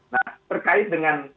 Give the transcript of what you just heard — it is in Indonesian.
nah terkait dengan